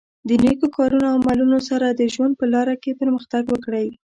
د نېکو کارونو او عملونو سره د ژوند په لاره کې پرمختګ وکړئ.